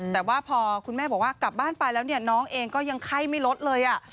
แต่ว่าพอคุณแม่บอกว่ากลับบ้านไปแล้วเนี่ยน้องเองก็ยังไข้ไม่ลดเลย